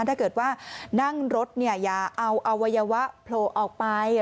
ถ้าเกิดว่านั่งรถอย่าเอาอวัยวะโผล่ออกไป